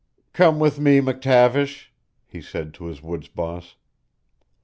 "Come with me, McTavish," he said to his woods boss.